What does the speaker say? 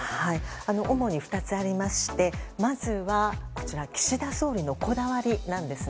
主に２つありましてまずは岸田総理のこだわりなんです。